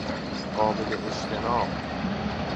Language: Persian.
قابل اجتناب